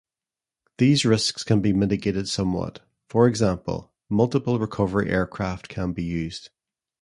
These risks can be mitigated somewhat: for example, multiple recovery aircraft can be used.